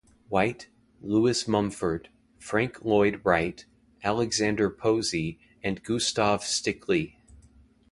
White, Lewis Mumford, Frank Lloyd Wright, Alexander Posey, and Gustav Stickley.